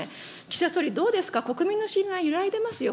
岸田総理、どうですか、国民の信頼揺らいでますよ。